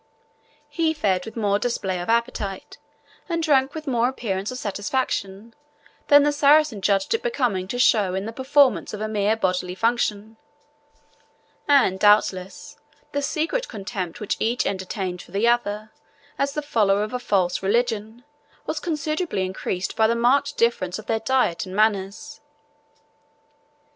He fed with more display of appetite, and drank with more appearance of satisfaction, than the Saracen judged it becoming to show in the performance of a mere bodily function; and, doubtless, the secret contempt which each entertained for the other, as the follower of a false religion, was considerably increased by the marked difference of their diet and manners.